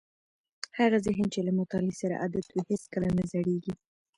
هغه ذهن چې له مطالعې سره عادت وي هیڅکله نه زړېږي.